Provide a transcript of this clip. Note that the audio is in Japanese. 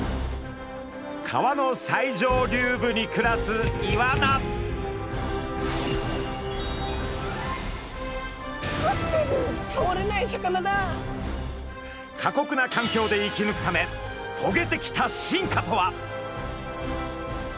川の最上流部に暮らす過酷な環境で生きぬくためとげてきた進化とは？